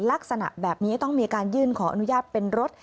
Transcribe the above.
ลักษณะแบบนี้ต้องมีการยื่นขออนุญาตเป็นรถ